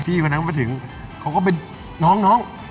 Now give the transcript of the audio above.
ไปถึงเขาก็เป็นน้อง